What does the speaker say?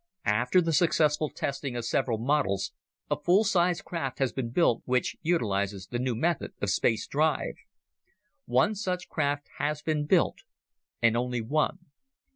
"After the successful testing of several models, a full sized craft has been built which utilizes the new method of space drive. One such craft has been built, and only one.